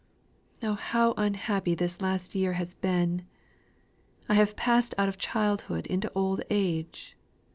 Oh, how unhappy this last year has been! I have passed out of childhood into old age.